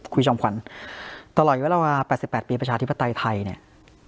คุยจำควันตลอดอยู่ว่าแปดสิบแปดปีประชาธิปไตยไทยเนี่ย